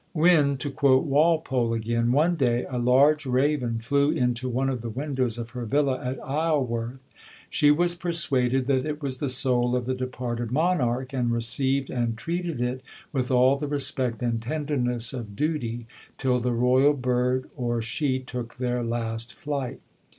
"When," to quote Walpole again, "one day a large raven flew into one of the windows of her villa at Isleworth, she was persuaded that it was the soul of the departed monarch, and received and treated it with all the respect and tenderness of duty, till the Royal bird or she took their last flight."